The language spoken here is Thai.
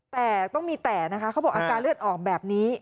แต่ต้องมีแต่นะคะเขาบอกอาการเลือดออกแบบนี้